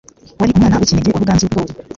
wari Umwana w' ikinege wa Ruganzu Ndoli